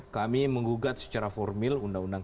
kami menggugat secara formal undang undang kpk